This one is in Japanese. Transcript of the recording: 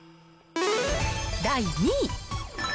第２位。